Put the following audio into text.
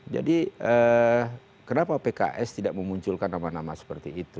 jadi kenapa pks tidak memunculkan nama nama seperti itu